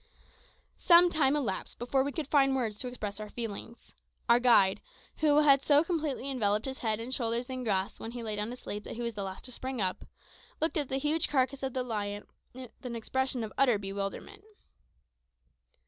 Some time elapsed before we could find words to express our feelings. Our guide, who had so completely enveloped his head and shoulders in grass when he lay down to sleep that he was the last to spring up, looked at the huge carcass of the lion with an expression of utter bewilderment.